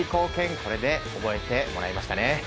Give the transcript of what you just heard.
これで覚えてもらえましたね。